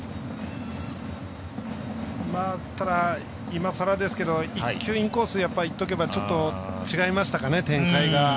いまさらですけど１球インコースいっておけばちょっと違いましたかね、展開が。